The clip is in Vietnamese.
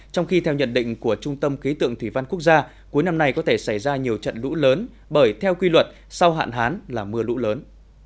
trong khi theo nhận định của trung tâm khí tượng thủy văn quốc gia cuối năm nay có thể xảy ra nhiều trận lũ lớn bởi theo quy luật sau hạn hán là mưa lũ lớn